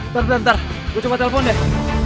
tunggu tunggu gue coba telepon deh